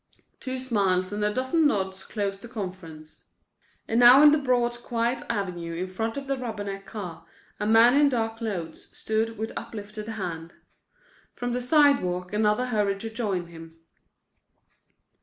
Two smiles and a dozen nods closed the conference. And now in the broad, quiet avenue in front of the Rubberneck car a man in dark clothes stood with uplifted hand. From the sidewalk another hurried to join him.